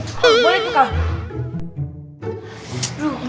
boleh tuh kak